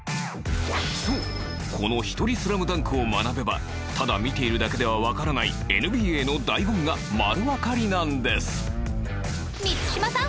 そうこのひとりスラムダンクを学べばただ見ているだけではわからないＮＢＡの醍醐味が丸わかりなんです満島さん！